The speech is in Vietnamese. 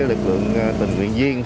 lực lượng tình nguyện viên